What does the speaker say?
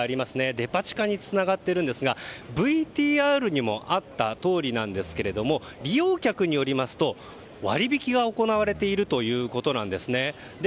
デパ地下につながっていますがＶＴＲにもあったとおりですが利用客によりますと割り引きが行われているということなんですね。